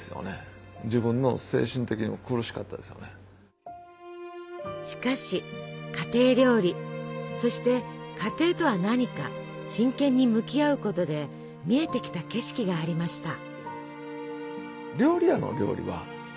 自分のしかし家庭料理そして家庭とは何か真剣に向き合うことで見えてきた景色がありました。